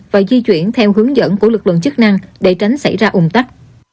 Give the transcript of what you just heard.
và di chuyển theo hướng dẫn của lực lượng chức năng để tránh xảy ra ủng tắc